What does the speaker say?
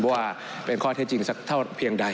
ว่าเป็นข้อเท็จจริงสักเท่าเพียงใด